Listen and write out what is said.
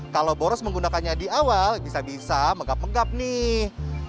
kalau boros menggunakannya di awal bisa bisa menggap menggap nih